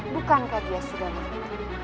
bukankah dia sudah mati